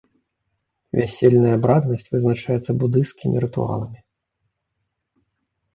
Вясельная абраднасць вызначаецца будысцкімі рытуаламі.